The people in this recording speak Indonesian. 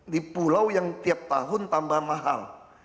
di pulau yang tiap tahun tambah mahal